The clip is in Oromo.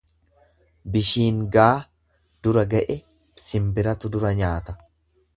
Bishiingaa dura ga'e simbiratu dura nyaata.